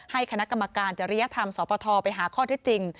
ให้คณะกรรมการจะเรียกทำสปทไปหาข้อที่จริง